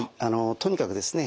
とにかくですね